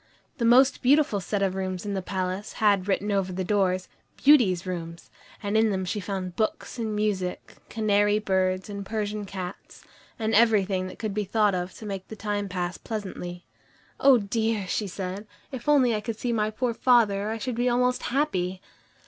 The most beautiful set of rooms in the palace had written over the doors, "Beauty's Rooms," and in them she found books and music, canary birds and Persian cats, and everything that could be thought of to make the time pass pleasantly. "Oh, dear!" she said; "if only I could see my poor father I should be almost happy."